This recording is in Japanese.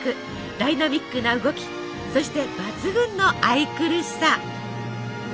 ダイナミックな動きそして抜群の愛くるしさ。